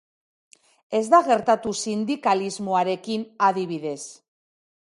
Ez da gertatu sindikalismoarekin, adibidez.